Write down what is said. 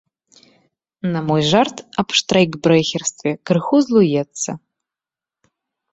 На мой жарт аб штрэйкбрэхерстве крыху злуецца.